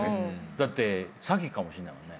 だって詐欺かもしんないもんね。